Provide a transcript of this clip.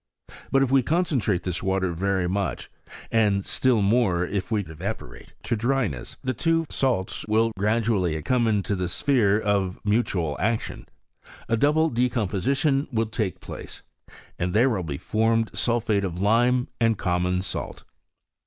But if we con centrate this water very much, and still more, if we evaporate to dryness, the two salts will gradually come into the sphere of mutual action, a double decomposition will take place, and there will be formed sulphate of lime and common salt.